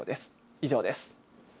以上です。